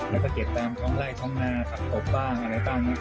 แล้วก็เก็บตามท้องไล่ท้องหน้าท้องหกบ้างอะไรต่าง